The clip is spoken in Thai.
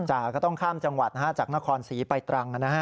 จ๋าก็ต้องข้ามจังหวัดจากนครศรีธรรมราชไปตรังค่ะ